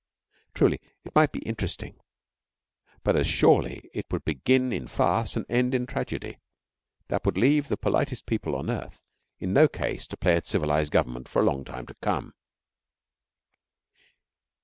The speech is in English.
Truly, it might be interesting, but as surely it would begin in farce and end in tragedy, that would leave the politest people on earth in no case to play at civilised government for a long time to come.